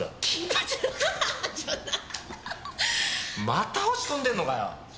また落ちこんでんのかよ。